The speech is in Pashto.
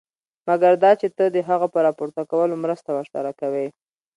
مګر دا چې ته د هغه په راپورته کولو مرسته ورسره کوې.